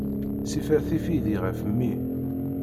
Sifer tifidi ɣef mmi.